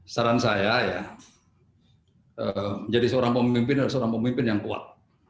saran saya ya menjadi seorang pemimpin adalah seorang pemimpin yang kuat